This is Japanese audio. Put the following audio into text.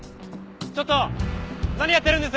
ちょっと何やってるんです？